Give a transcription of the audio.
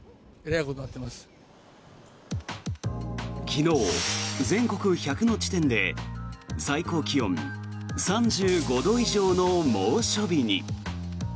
昨日、全国１００の地点で最高気温３５度以上の猛暑日に。